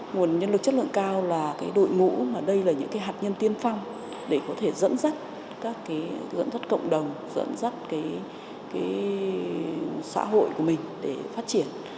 nguồn nhân lực chất lượng cao là đội ngũ mà đây là những hạt nhân tiên phong để có thể dẫn dắt các dẫn dắt cộng đồng dẫn dắt xã hội của mình để phát triển